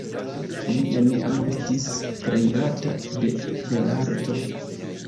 Li neniam estis trejnata de belarto.